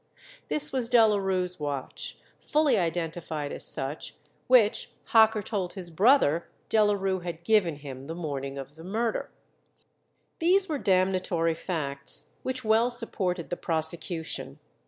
This was Delarue's watch, fully identified as such, which Hocker told his brother Delarue had given him the morning of the murder. These were damnatory facts which well supported the prosecution.